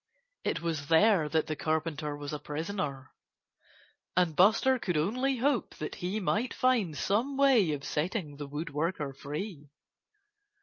It was there that the Carpenter was a prisoner. And Buster could only hope that he might find some way of setting the woodworker free.